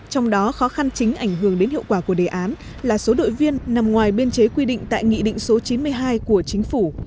trong đó khó khăn chính ảnh hưởng đến hiệu quả của đề án là số đội viên nằm ngoài biên chế quy định tại nghị định số chín mươi hai của chính phủ